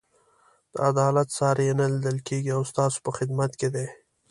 د عدالت ساری یې نه لیدل کېږي او ستاسو په خدمت کې دی.